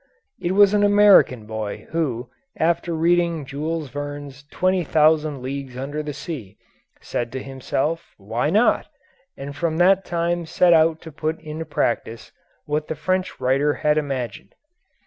It was an American boy who, after reading Jules Verne's "Twenty Thousand Leagues Under the Sea," said to himself, "Why not?" and from that time set out to put into practice what the French writer had imagined.